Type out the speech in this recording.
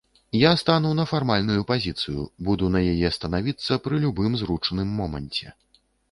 Я стану на фармальную пазіцыю, буду на яе станавіцца пры любым зручным моманце.